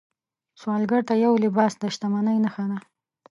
سوالګر ته یو لباس د شتمنۍ نښه ده